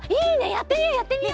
やってみようやってみよう！